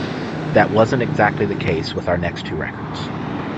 That wasn't exactly the case with our next two records.